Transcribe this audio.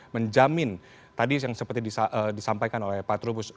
menjamin tadi yang seperti disampaikan oleh pak trubus